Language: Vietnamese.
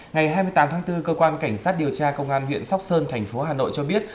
ngày hai mươi tám tháng bốn cơ quan cảnh sát điều tra công an huyện sóc sơn thành phố hà nội cho biết